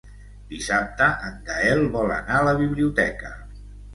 Dissabte en Gaël vol anar a la biblioteca.